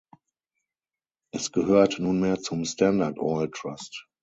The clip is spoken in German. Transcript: Es gehört nunmehr zum Standard Oil Trust.